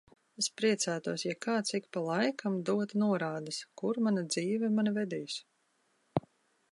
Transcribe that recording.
Es priecātos, ja kāds ik pa laikam dotu norādes, kur mana dzīve mani vedīs.